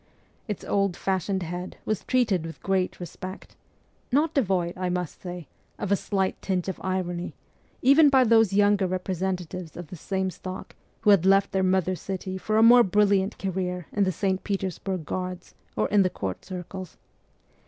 Its old fashioned head was treated with great respect, not devoid, I must say, of a slight tinge of irony, even by those younger representatives of the same stock who had left their mother city for a more brilliant career in the St. Petersburg Guards or in the court circles.